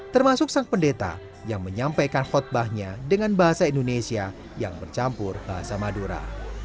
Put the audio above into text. termasuk sang pendeta yang menyampaikan khutbahnya dengan bahasa indonesia yang bercampur bahasa madura